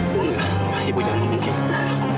boleh gak lalu ibu jangan memungkinkan